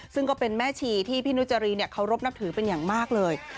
ซึ่งก็เป็นแม่ชีที่พี่นุจรีเคารพนับถือเป็นอย่างมากเลย